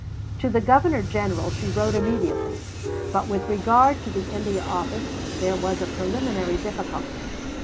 To the Governor General she wrote immediately; but with regard to the India Office there was a preliminary difficulty.